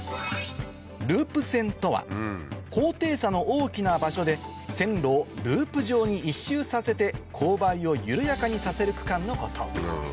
ループ線とは高低差の大きな場所で線路をループ状に１周させて勾配を緩やかにさせる区間のこと